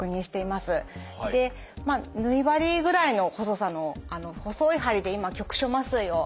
でまあ縫い針ぐらいの細さの細い針で今局所麻酔を。